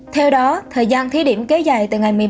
theo đó thời gian thi định của bộ lao động thương binh và xã hội